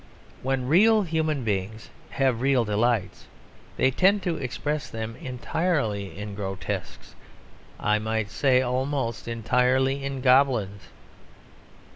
When real human beings have real delights they tend to express them entirely in grotesques I might almost say entirely in goblins.